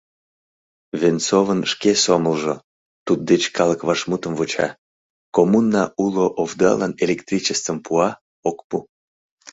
Венцовын шке сомылжо: туддеч калык вашмутым вуча — коммуна уло овдалан электричествым пуа, ок пу?